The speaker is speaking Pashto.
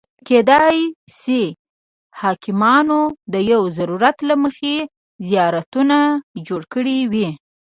کېدای شي حاکمانو د یو ضرورت له مخې زیارتونه جوړ کړي وي.